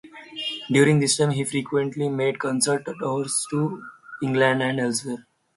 During this time, he frequently made concert tours to England and elsewhere.